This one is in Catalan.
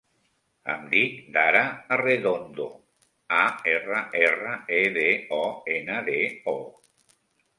Em dic Dara Arredondo: a, erra, erra, e, de, o, ena, de, o.